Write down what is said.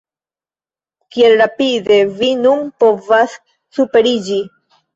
Kiel rapide vi nun povas superiĝi!